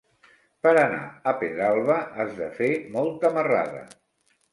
Per anar a Pedralba has de fer molta marrada.